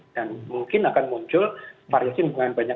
dan mungkin akan muncul variasi yang banyak